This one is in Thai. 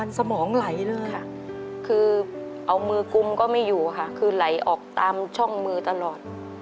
ละก็ไม่อยู่ค่ะคือไหลออกตามช่องมือตลอด